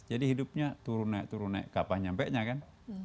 jadi hidupnya turun naik turun naik kapan sampai nya kan